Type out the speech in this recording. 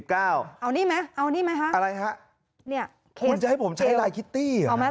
เอานี่ไหมเอานี่ไหมฮะอะไรฮะเนี่ยคุณจะให้ผมใช้ลายคิตตี้เหรอ